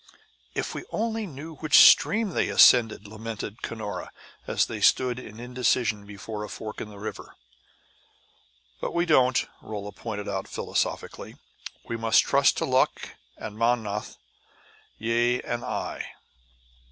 "If only we knew which stream they ascended!" lamented Cunora, as they stood in indecision before a fork in the river. "But we don't!" Rolla pointed out philosophically. "We must trust to luck and Mownoth, ye and I."